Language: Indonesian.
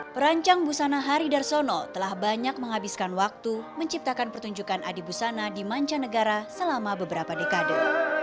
perancang busana hari darsono telah banyak menghabiskan waktu menciptakan pertunjukan adi busana di manca negara selama beberapa dekade